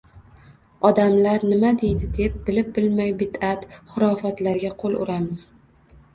“Odamlar nima deydi?” deb, bilib-bilmay bidʼat-xurofotlarga qo‘l uramiz